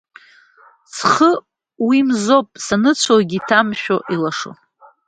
Схы уи Мзоуп, саныцәоугьы, иҭамшәо илашо!